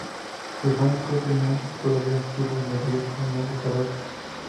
Los bancos tenían todavía activos de riesgo no declarados.